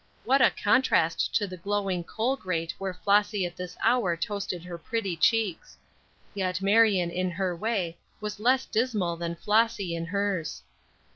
What a contrast to the glowing coal grate where Flossy at this hour toasted her pretty cheeks. Yet Marion, in her way, was less dismal than Flossy in hers.